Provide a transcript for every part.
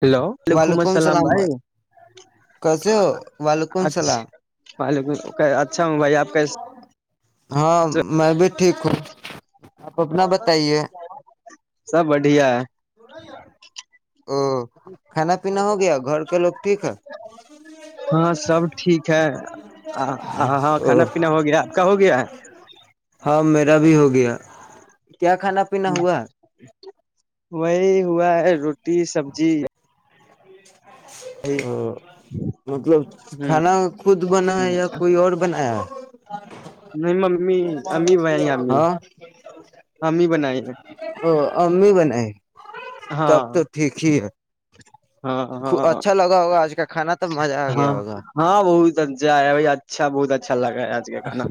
hello وعلیکم السلام بھائی کیسے ہو وعلیکم السلام اچھعلیک اچھا ہوں بھائی آپ کیس ہاں میں بھی ٹھیک ہوں آپ اپنا بتائیے سب بڑھیا ہے او کھانا پینا ہو گیا گھر کے لوگ ٹھیک ہے ہاں سب ٹھیک ہے ہاں ا کھانا پینا ہو گیا آپ کا ہو گیا ہاں میرا بھی ہو گیا کیا کھانا پینا ہے ہوا وہی ہوا ہے روٹی سبزی ہ ا مطلب کھانا خود بنا ہے یا کوئی اور بنایا [inaudible] نہیں م امی امی بنائی امی ہاں امی بنائی ہیں او امی بنائے تب تو ٹھیک ہی ہے ہاں ہاں ہاں اچھا لگا ہوگا آج کا کھانا تب مزہ آ ہاں گیا ہوگا ہاں بت اا ب اچھا بہت اچھا لگا ہے آج کے کھانا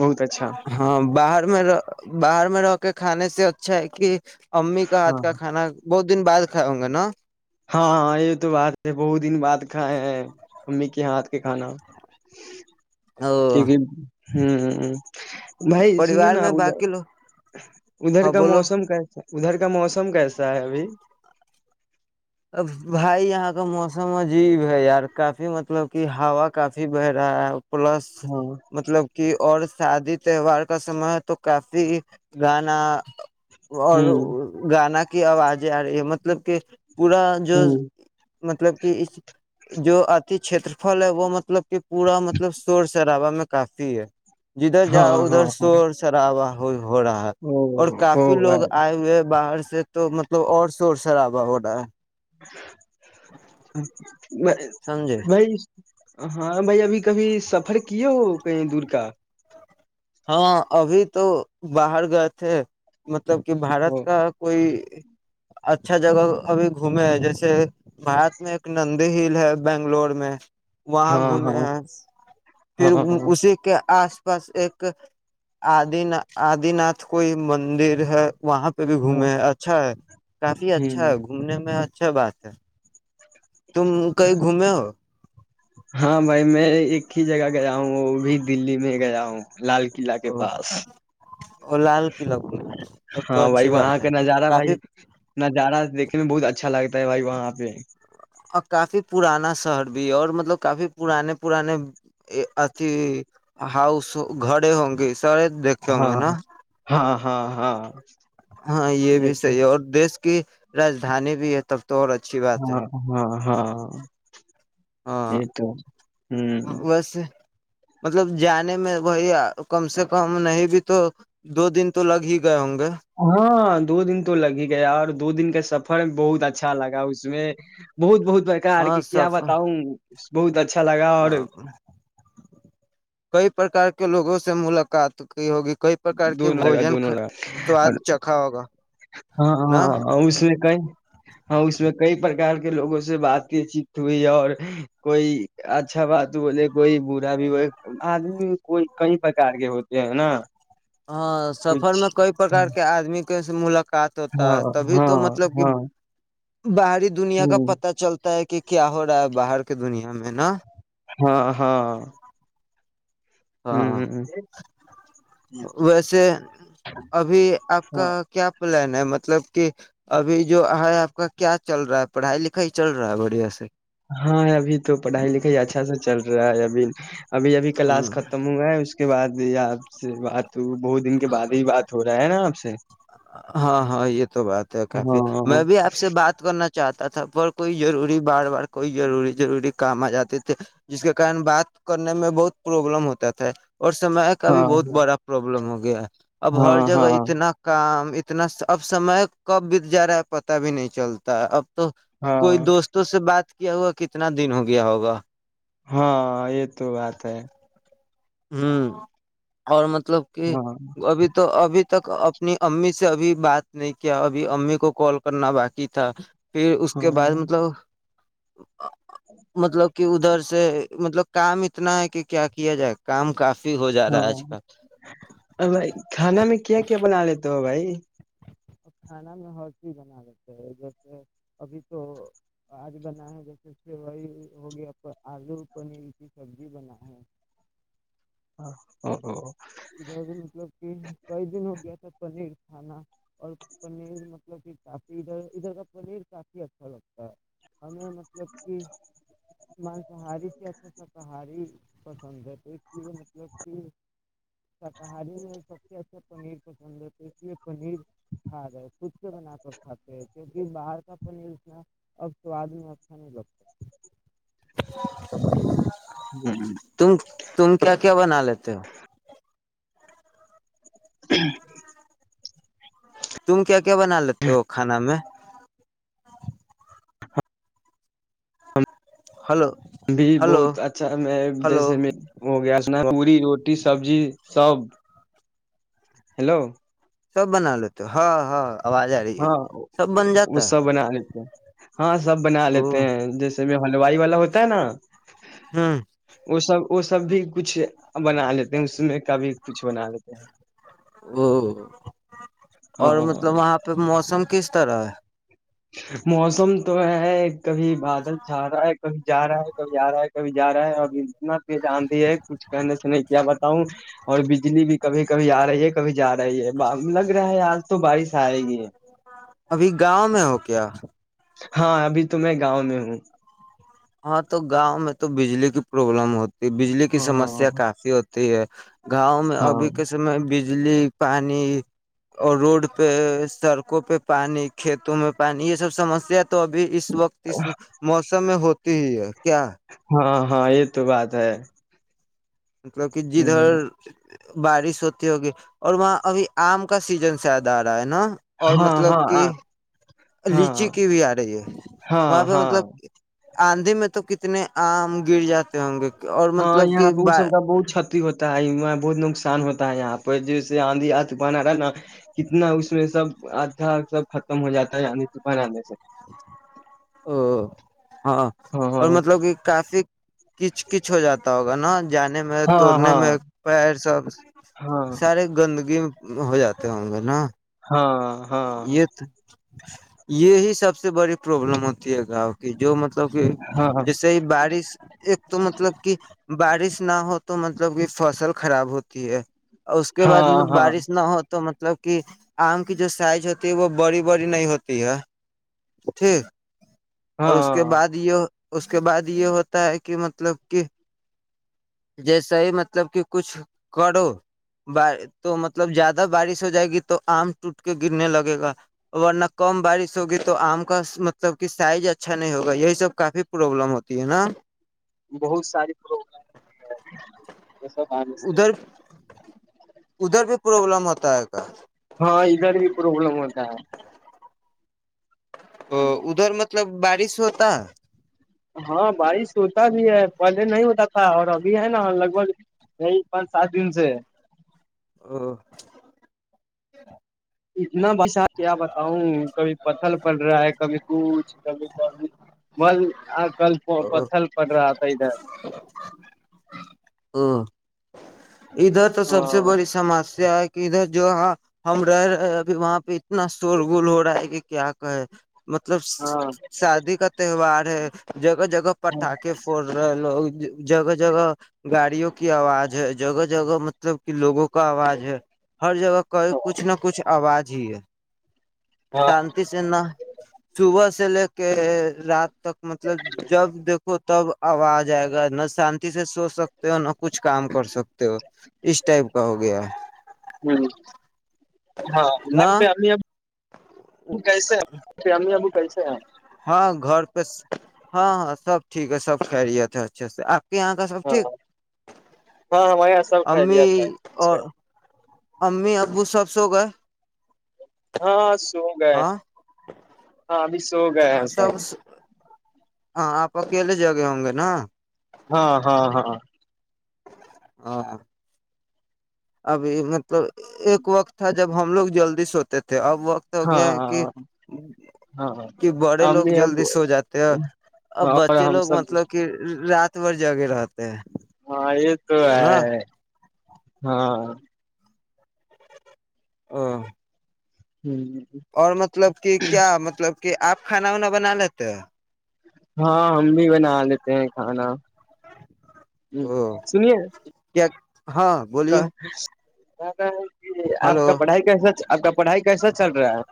بہت اچھا ہاں باہر میں رہ باہر میں رہ کے کھانے سے اچھا ہے کہ امی کا ہاں ہاتھ کا کھانا بہت دن بعد اگ نا ہاں ہاں یہ تو بات ہے بہت دن بعد کھائے ہیں امی کے ہاتھ کے کھانا او کیونکہ ہوں بھائی سنو پریوار نا میں ادھر باقی لوگ ہاں ادھر کا بولو موسم کیسے ادھر کا موسم کیسا ہے ابھی اب بھائی یہاں کا موسم عجیب ہے یار کافی مطلب کی ہوا کافی بہ رہا ہے پلس ہاں مطلب کہ اور شادی تہوار کا سمے تو کافی گانا اور ہوں گانا [unintelligible] کی آواز جیارے یہ مطلب کہ پورا جو ہوں مطلب کہ اس جو آتی چھیترفل ہے وہ مطلب کہ پورا مطلب شور شربا میں کافی ہے جدھر ہاں جاؤ ہاں ادھر ہاں شور شرابا ہو ہو رہا ہے اور او ہو کافی لوگ بھائی آئے ہوئے باہر سے سے تو مطلب اور شور شرابہ ہوتا [inaudible] میں سمجھے نہیں ہاں بھائی ابھی کبھی سفر کیے ہو کہیں دور کا ہاں ابھی تو باہر گئے تھے مطلب کہ بارت وہ کا کوئی اچھا جگہ ابھی گھومے جیسے بھارت میں ایک نندی ہل ہے بنگلور میں وہاں ہاں گھومے ہاں ہیں ہاں پھر ہاں ہاں اسی کے آس بس ایک آد آد ناتھ کوئی مندر ہے وہاں پہ بھی گھومے ہیں اچھا ہے کافی اچھا ہوں ہے گھومنے میں اچھا بات ہے تم اچھا کہیں گھومے ہو ہاں میں ایک ہی جگہ گیا وہ بھی دللی میں گیا ہوں لال قلعہ قلعہ کے پاس اور لال قلع میں ہاں بھائی وہاں کا نظارہ بھائی نظارہ دیکھنے میں بہت اچھا لگتا ہے بھائی وہاں پہ اور کافی پرانا شہر بھی ہے اور مطلب کافی پرانے پرانے اھی ہاؤس گڑے ہوں گے سارے دیکھے ہوں گے ہاں نا ہاں ہاں ہاں ہاں یہ بھی صحیح ہے اور دیش کی رجدانی بھی ہے تب تو اور اچھی بات ہے ہاں ہاں ہاں ہاں یہ تو ہوں بس مطلب جانے میں بھائی کم سے کم نہیں بھی تو دو دن تو لگ ہی گئے ہوں گے ہاں دو دن تو لگ ہی گیا اور دو دن کا سب بہت اچھا لگا اس میں بہت بہ برکارار کے کیا بتاؤں بہتچا آ [inaudible] کئی پرکار کے لوگوں سے ملاقات کی ہوگی کئی پرکار کے دونوں لگا بھوجن دونوں لگا سواد چکھا ہوگا ہاں نا ہاں ہ اس میں کئی ہاں اس میں کئی پرک کے کے لوگوں سے باتیں چیت ہوئی اور کوئی اچھا بات بولے کوئی برا بھی بولے آدمی کوئی کئی پرکار کے ہوتے ہے نا ہاں سفر کچھ میں کئی پرار کے آدمی نس سے ملک [inaudible] قات ہوتا ہاں ہے تبھی ہاں تو مطلب کہ ہاں باہری دنیا کا ہ پتا چلتا ہے کہ کیا ہو رہا ہے باہر کی دنیا میں نا ہاں ہاں ہاں ہوں ہوں ویسے ابھی آپ ہاں کا کیا پلین ہے مطلب کہ ابھی جو آ آپ کا کیا چل رہا ہے پڑھائی لکھائی چل رہا ہے بڑھیا سے ہاں ابھی تو پڑھائی لکھائی اچھا س چل رہی ر ابل [inaudible] ابھی ابھی کلاس ختم ہوا ہے اس کے بعد یہ آپ سے بات بہت دن کے بعد ہی بات ہو رہا ہے نا آپ سے ہاں ہاں یہ تو بات ہے کافی ہاں میں بھی آپ سے بات کرنا چاہتا تھا پر کوئی ضروری بار بار کوئی ضروری ضروری کام آ جاتے تھے جس کے کارن بات کرنے میں بہت پروابلم ہوتا تھا اور سمے کا بھی بہت ہاں بڑا پرابلم ہوگا گ ہے [inaudible] اب ہر ہاں جگہ ہاں اتنا کام اتنا اب سمے کب بیت جا رہا ہے پتا بھی نہیں چلتا ہے اب تو کوئی ہاں دوستوں سے بات کیا ہوا کتنا دن ہو گیا ہوگا ہاں یہ تو بات ہے [unintelligible] ہوں اور مب [unintelligible] مطلب کہ ہاں ابھی تو ابھی تک اپنی امی سے اب بات نہیں کیا ابھی امی کو کال کرنا باقی تھا پھر اس ہاں کے بعد مطلب مطلب کہ ادھر سے مطلب کام اتنا ہے کہ کیا کیا جائے کام کافی ہو جا رہا ہے آج کل ہاں بھائی کھانا میں کیا کیا بنا لیتے ہو بھائی کھانا میں ہر چیز بنا لیتے ہیں جیسے ابھی تو آج بنا ہے جیسے سوئی ہو گیا آلو پنیر کی سبزی بن ہے ہاں ا ادھر مطلب کہ کئی دن ہو گیا تھا پنیر کھانا اور پنیر مطلب کہ کافی ادھر ادھر کا پنیر کافی اچھا لگتا ہے ہمیں مطلب کہ مانساہاری سے اچھا شاکاری پسند ہے تو اس لیے مطلب کہ شاکاہاری سب سے اچے پنیر پ یہ پنیر کھا رہے خود سے بنا کر کھاتے ہیں کیونکہ باہر کا پنیر اتنا اب سواد میں اچھا نہیں لگتا ہ تم تم کیا کیا بناے ا تو [inaudible] تم کیا کیا بنا لیتے ہو کھانا میں ہلو بھی ہلو بہت اچھا میں ہلو جیسے میں ہو گیا اس ن پوری روٹی سبزی سب ہیلو سب بنا لو تو ہاں ہاں آواز آ رہی ہے ہاں سب بن وہ جاتا ہے سب بنا لیتے ہیں ہاں سب بنا لیتے ا ہیں جیسے میں ہلوائی والا ہوتا ہے نا ہ وہ سب وہ سب بھی کچھ بنا لیتے ہیں اس میں کبھی کچھ بنا لیتے ہیں او اور مطلب ہاں وہاں پہ موسم کس طرح ہے موسم تو ہے کبھی بادل چھا رہا ہے کبھی جا رہا ہے کبھی آ رہا ہے کبھی جا رہا ہے اب اتنا جانتی ہے کچھ کہنے سے نہیں کیا بتاؤں اور بجلی بھی کبھی کبھی آ رہی ہے کبھی جا رہی ہے لگ رہا ہے آج تو بارش آئے گی ہے کیای ہاں ابھی تو میں گاؤں میں ہوں ہاں تو گاؤں میں تو بجلی کی پروابلم ہوتی بجلی کی ہاں سمسیا کافی ہوتی ت گاؤں میں ابھی ہاں کے سمے بجلی پانی اور روڈ پہ سڑکوں پہ پانی کھیتوں میں پانی یہ سب سمسیا ابھی اس وقت اس موسم میں ہوتا ہی ہے کیا ہاں ہاں یہ تو بات ہے مطلب کہ ہ جدھر بارش ہوتی ہوگی اور وہاں ابھی آم کا سیزن زیادہ آ رہا ہے نا اور مطلب کہ لیچی کی بھی آ رہی ہے وہاں پہ مطلب آندھی میں تو کتنے آم گر جاتے ہوں گے اور مطلب کہ با بہت چاتتی ہوتی بہت نقصان ہوتا ہے یہاں پہ جیسے آندھی طوفان آ رہا نا کتنا اس میں سب آدھا سب ختم ہو جاتا ہے آندھی طوفان آنے سے ا ہاں اور مطلب کہ کافی کچ کچ ہو جاتا ہوگا نا جانے میں توڑنے میں پیر سب سارے گندگی ہو جاتے ہوں گے نا ہاں ہاں یہ ہی سب سے بڑی پروابلم ہوتی ہے گاؤں کی جو مطلب کہ جیسے ہی بارش ایک تو مطلب کہ بارش نہ ہو تو مطلب کہ فصل خراب ہوتی ہے اور اس کے بعد بارش نہ ہو تو مطلب کہ آم کی جو سائز ہوتی ہے وہ بڑی بڑی نہیں ہوتی ہے ٹھیک اور اس کے بعد یہ اس کے بعد یہ ہوتا ہے کہ مطلب کہ جیسا ہی مطلب کہ کچھ کرو ب تو مطلب زیادہ بارش ہو جائے گی تو آم ٹوٹ کے گرنے لگے گا ورنہ کم بارش ہوگی تو آم کا مطلب کہ سائز اچھا نہیں ہوگا یہی سب کافی پروابلم ہوتی ہے نا بہت ساری ادھر ادھر پروابلم ہوتا ہے کا ہاں ادھر بھی پروابلم ہوتا ہے ا ادھر مت مطلب بارش ہوتا ہاں بارش ہوتا بھی ہے پہلے نہیں ہوتا تھا اور ابھی ہے نا لگ بھگ یہ پانچ سات دن سے [inaudible] اتنا بسہ کیا بتاؤ کبھی پتھل پڑ رہا ہے کبھی کچھ کبھی کبھی کل ہے پتل پڑ رہا تھا ادھر دو ادھر تو سب سے ہاں بڑی سمسیا ہے کہ ادھر جواں ہم رہ رہے اب وہاں پہ اتنا شور گول ہو رہا ہے کہ کیا کہے مطلب ہاں شادی کا تہوار ہے جگہ جگہ پٹاخے فھڑ رہے لوگ جگہ جگہ گاڑیوں کی آواز ہے جگہ جگہ مطلب کہ لوگوں کا آواز ہے ہر جگہ کا کچھ نہ کچھ آواز ہی ہے ہاں شانتی سنا سب سے کہ رات تک مطلب جب دیکھو تب اب آ جائے گا نہ شانتی سے سو سکتے ہو نہ کچھ کام کر سکتے اس ٹائپ کا ہو گیا نہ ہاں ا کیسے ہیں فیام ابو کیسے ہیں ہاں گھر پہ ہاں ہاں سب ٹھیک ہے سب خیریت ہے اچھے سے آپ یہاں کا سب ہاں ٹھیک ہاں ہمارے یہاں سب امی خیریت ہے اور اچھا امی ابو سب سے ہو گئے ہاں سو گئے ہیں ہاں ہاںبھی گیا ہے سر سب ہاں آپ اکیلے جگے ہوں گے نا ہاں ہاں ہاں [inaudible] ابھی مطلب ایک وقت تھا جب ہم لوگ جلدی سوتے تھے اب وقت ہو گیا ہے کہ ہاں ہاں کہ بڑے لوگ امی جلدی ابو سو جاتے اب اور بچے ہم لوگ سب مطلب کہ رات بار جگے رہا ہاں یہ تو ہے ہاں [inaudible] ہ اور مطلب کہ کیا مطلب کہ آپ کھانا ونا بنا تو ہاں ہم بھی بنا لیتے ہیں کھانا او سنیے کیا ہاں [inaudible] کہ بولیے آپ ہلو کا پڑھائی کیسا [unintelligible] پڑھائی کیسا چل رہا ہے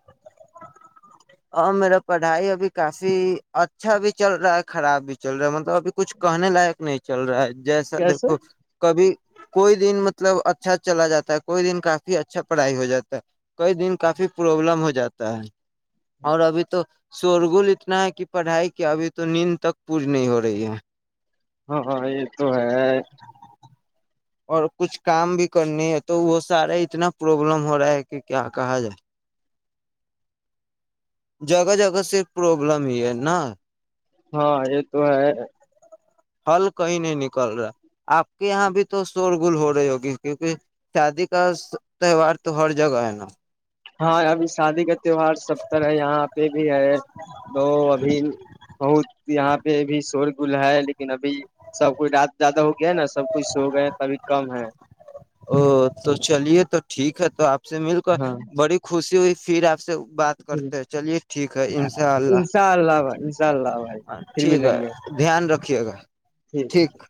اور میرا پڑھائی ابھی کافی اچھا بھی چل رہا ہے خراب بھی چل رہا ہے مطلب ابھی کچھ کہنے لائق نہیں چل رہا ہے جیسا کیسے دیکھو کبھی کوئی دن مطلب اچھا چلا جاتا ہے کوئی دن کافی اچھا پڑھائی ہو جاتا ہے کوئی دن کافی پرابلم ہو جاتا ہے اور ابھی تو شورگل اتنا ہے کہ پڑھائی کی ابھی تو نیند تک پوری نہیں ہو رہی ہے ہاںاں یہ تو ہے اور کچھ کام بھی کرنی ہے تو وہ سارا اتنا پرابلم ہو رہا ہے کہ کیا کہا جائے جگہ جگہ صرف پرابلم ہی ہے نا ہاں یہ تو ہے ہل کہیں نہیں نکل رہا آپ کے یہاں بھی تو شور گول ہو رہی ہوگی کیونکہ شادی کا تہوار تو ہر جگہ ہے نا ہاں ابھی شادی کا تیوار سب طرح ہے یہاں پہ بھی ہے تو ابھی بہت یہاں بھی شور گل ہے لیکن ابھی سب کوئی رات زیادہ ہو گیا ہے نا سب کھ سو گیا ت ابھی کم ہے او تو چلیے تو ٹھیک ہے تو آپ سے مل کر ہاں بڑی خوشی ہوئی پھر آپ سے بات ٹھیک کرتے ہیں چلیے ٹھیک ہے ان شاء ہے، اللہ انشاء اللہ بھائی انشاء اللہ بھائی پھر ٹھیک ہے ملیں گے دھیان رکھ رکے گا ٹھیک ہےھیک